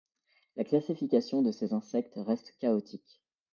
La classification de ces insectes reste chaotique.